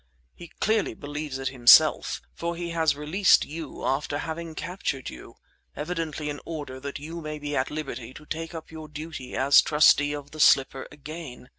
He clearly believes it himself; for he has released you after having captured you, evidently in order that you may be at liberty to take up your duty as trustee of the slipper again.